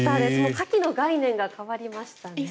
カキの概念が変わりましたね。